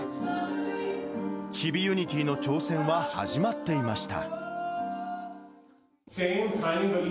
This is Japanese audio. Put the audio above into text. チビユニティーの挑戦は始まっていました。